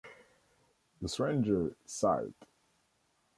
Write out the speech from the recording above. The stranger sighed.